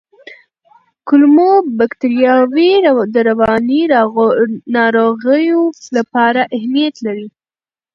کولمو بکتریاوې د رواني ناروغیو لپاره اهمیت لري.